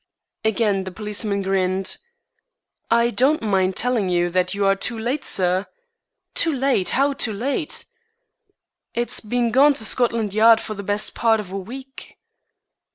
Again the policeman grinned. "I don't mind telling you that you are too late, sir." "Too late! How too late?" "It's been gone to Scotland Yard for the best part of a week."